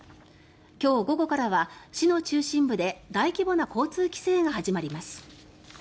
今日午後からは市の中心部で大規模な交通規制が始まります。